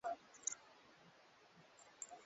wengine wa misitu ya Amazon mvua inaweza